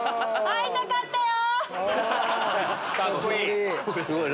「会いたかったよ」。